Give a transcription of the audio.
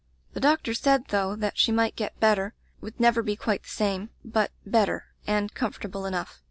The doctor said, though, that she might get better; would never be quite the same, but better, and comfortable enough.